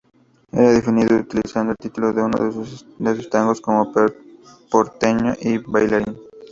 Era definido utilizando el título de uno de sus tangos, como "porteño y bailarín".